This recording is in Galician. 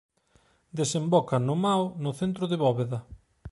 Desemboca no Mao no centro de Bóveda.